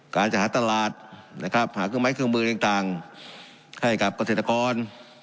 การจะหาตลาดนะครับหาเครื่องไม้เครื่องมือต่างให้กับเกษตรกร